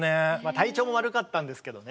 体調も悪かったんですけどね。